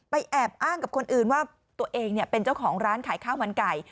แอบอ้างกับคนอื่นว่าตัวเองเป็นเจ้าของร้านขายข้าวมันไก่